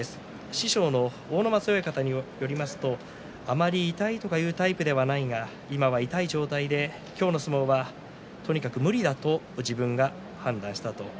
師匠の阿武松親方によりますとあまり痛いとか言うタイプではないが今は痛い状態で今日の相撲はとにかく無理だと自分が判断した。